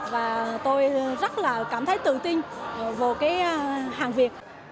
và tôi rất là cảm thấy tự tin vào cái hàng việt